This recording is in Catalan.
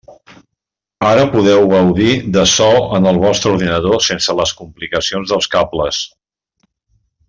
Ara podeu gaudir de so en el vostre ordinador sense les complicacions dels cables.